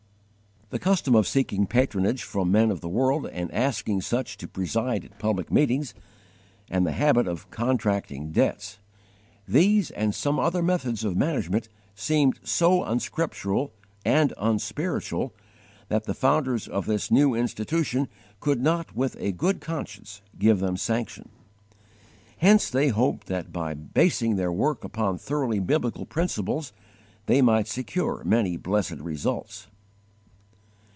The custom of seeking patronage from men of the world and asking such to preside at public meetings, and the habit of contracting debts, these and some other methods of management seemed so unscriptural and unspiritual that the founders of this new institution could not with a good conscience give them sanction. Hence they hoped that by basing their work upon thoroughly biblical principles they might secure many blessed results.